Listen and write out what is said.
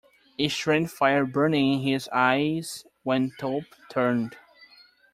A strange fire burned in his eyes when Thorpe turned.